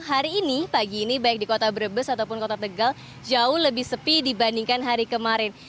hari ini pagi ini baik di kota brebes ataupun kota tegal jauh lebih sepi dibandingkan hari kemarin